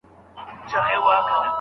خمیر دي جوړ دی له شواخونه